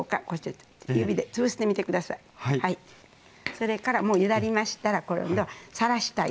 それからもうゆだりましたら今度さらしたいですね。